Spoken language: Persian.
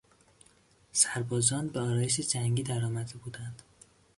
سربازان به آرایش جنگی درآمده بودند.